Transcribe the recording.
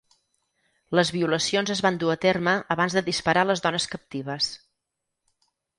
Les violacions es van dur a terme abans de disparar a les dones captives.